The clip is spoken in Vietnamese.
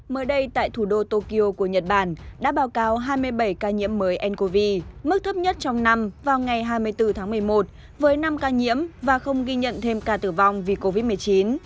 mới đây tại thủ đô tokyo của nhật bản đã báo cáo hai mươi bảy ca nhiễm mới ncov mức thấp nhất trong năm vào ngày hai mươi bốn tháng một mươi một với năm ca nhiễm và không ghi nhận thêm ca tử vong vì covid một mươi chín